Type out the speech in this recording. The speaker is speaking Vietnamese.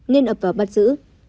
nên ập vào bắt giữ